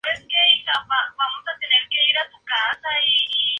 El proyecto de ley no ha sido adoptado por la legislatura.